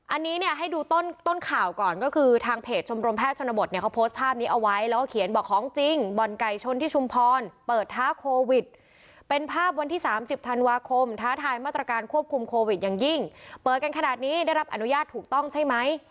อันนี้เนี่ยให้ดูต้นข่าวก่อนก็คือทางเพจชมรมแพทย์ชนบทเนี่ยเขาโพสต์ภาพนี้เอาไว้แล้วก็เขียนบอกของจริงบ่อนไก่ชนที่ชุมพรเปิดท้าโควิดเป็นภาพวันที่๓๐ธันวาคมท้าทายมาตรการควบคุมโควิดอย่างยิ่งเปิดกันขนาดนี้ได้รับอนุญาตถูกต้องใช่ไหม